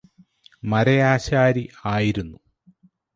മരയാശാരി ആയിരുന്നു